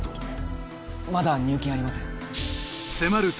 ・まだ入金ありません